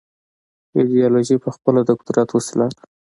ایدیالوژۍ پخپله د قدرت وسیلې دي.